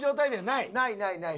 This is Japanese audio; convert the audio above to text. ないないないない。